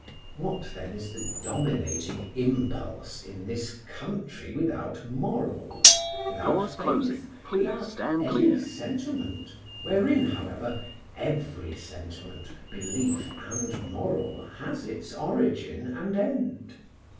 What, then, is the dominating impulse in this country without morals, without faith, without any sentiment, wherein, however, every sentiment, belief, and moral has its origin and end?